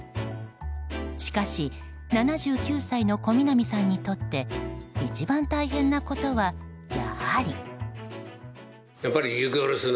しかし７９歳の小南さんにとって一番大変なことは、やはり。